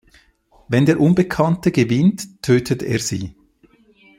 Wenn der Unbekannte gewinnt, tötet er sie.